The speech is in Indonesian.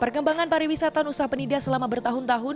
perkembangan pariwisata nusa penida selama bertahun tahun